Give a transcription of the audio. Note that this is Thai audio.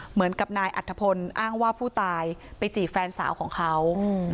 เหมือนกับนายอัธพลอ้างว่าผู้ตายไปจีบแฟนสาวของเขา